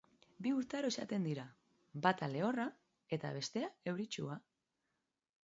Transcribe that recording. Bi urtaro izaten dira, bata lehorra eta bestea euritsua.